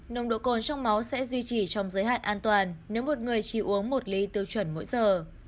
nồng độ cồn trong máu sẽ duy trì trong giới hạn an toàn nếu một người chỉ uống một ly tiêu chuẩn mỗi giờ